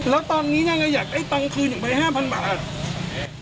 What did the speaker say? แล้วตอนนี้อยากได้ตังค์คืนไป๕๐๐๐บาท